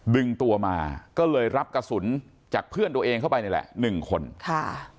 ดึงตัวมาก็เลยรับกระสุนจากเพื่อนตัวเองเข้าไปนี่แหละหนึ่งคนค่ะ